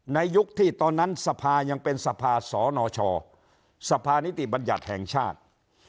ยุคที่ตอนนั้นสภายังเป็นสภาสนชสภานิติบัญญัติแห่งชาติ